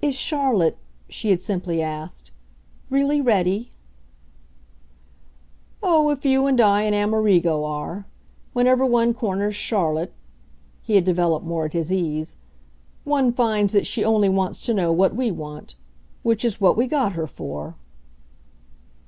"Is Charlotte," she had simply asked, "really ready?" "Oh, if you and I and Amerigo are. Whenever one corners Charlotte," he had developed more at his ease, "one finds that she only wants to know what we want. Which is what we got her for!"